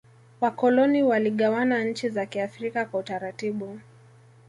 wakoloni waligawana nchi za kiafrika kwa utaratibu